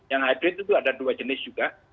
yang hybrid itu ada dua jenis juga